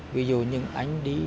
ví dụ như anh đi